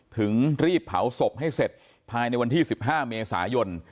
ถึงรีบเผาศพให้เสร็จภายในวันที่๑๕เมษายน